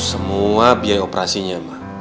semua biaya operasinya ma